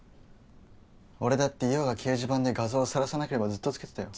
俺だって優愛が掲示板で画像さらさなければずっと着けてたよ。